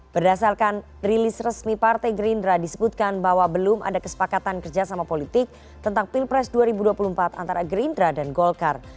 berdasarkan rilis resmi partai gerindra disebutkan bahwa belum ada kesepakatan kerjasama politik tentang pilpres dua ribu dua puluh empat antara gerindra dan golkar